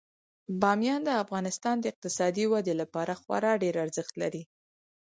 بامیان د افغانستان د اقتصادي ودې لپاره خورا ډیر ارزښت لري.